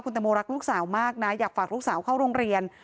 แตงโมรักลูกสาวมากนะอยากฝากลูกสาวเข้าโรงเรียน